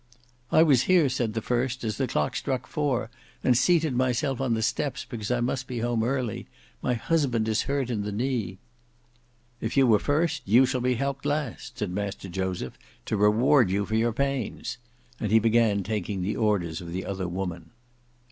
"I was here," said the first, "as the clock struck four, and seated myself on the steps, because I must be home early; my husband is hurt in the knee." "If you were first, you shall be helped last." said Master Joseph, "to reward you for your pains!" and he began taking the orders of the other woman.